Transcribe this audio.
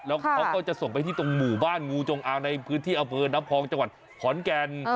แล้วเขาก็จะส่งไปที่ตรงหมู่บ้านงูจงอางในพื้นที่อำเภอน้ำพองจังหวัดขอนแก่น